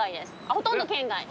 ほとんど圏外。